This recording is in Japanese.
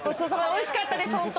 おいしかったですホント。